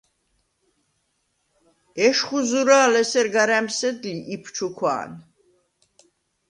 ეშხუ ზურა̄ლ ესერ გარ ა̈მსედლი იფ ჩუქვა̄ნ.